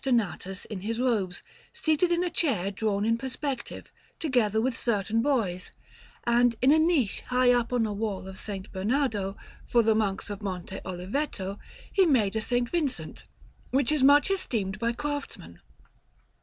Donatus in his robes, seated in a chair drawn in perspective, together with certain boys; and in a niche high up on a wall of S. Bernardo, for the Monks of Monte Oliveto, he made a S. Vincent, which is much esteemed by craftsmen.